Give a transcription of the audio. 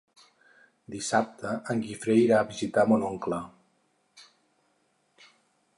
Dissabte en Guifré irà a visitar mon oncle.